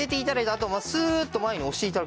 あとスーッと前に押して頂くだけ。